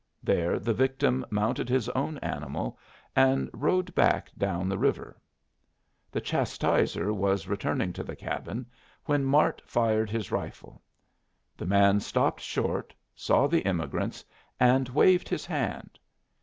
There the victim mounted his own animal and rode back down the river. The chastiser was returning to the cabin, when Mart fired his rifle. The man stopped short, saw the emigrants, and waved his hand.